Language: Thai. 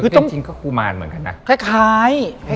คือจริงก็กุมารเหมือนกันนะคล้าย